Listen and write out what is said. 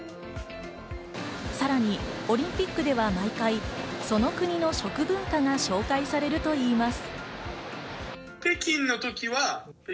さらにオリンピックでは毎回、その国の食文化が紹介されるといいます。